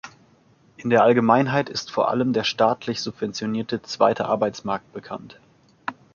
In der Allgemeinheit ist vor allem der staatlich subventionierte "Zweite Arbeitsmarkt" bekannt.